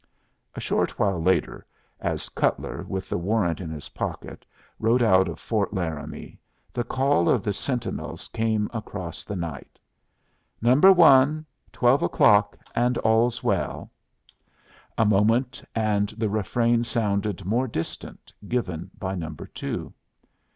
A short while later, as Cutler, with the warrant in his pocket, rode out of Fort Laramie, the call of the sentinels came across the night: "Number One. Twelve o'clock, and all's well." A moment, and the refrain sounded more distant, given by Number Two.